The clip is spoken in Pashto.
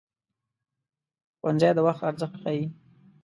ښوونځی د وخت ارزښت ښيي